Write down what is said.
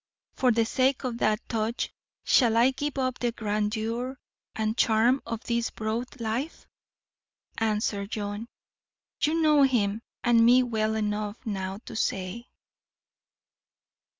For the sake of that touch shall I give up the grandeur and charm of this broad life? Answer, John. You know him and me well enough now to say.